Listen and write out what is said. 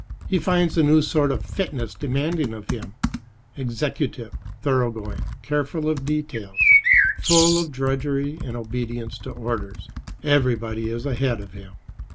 He finds a new sort of fitness demanded of him, executive, thorough going, careful of details, full of drudgery and obedience to orders. Everybody is ahead of him.